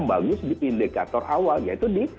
bagus di indikator awal yaitu di